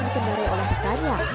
becak yang dicendari oleh pekannya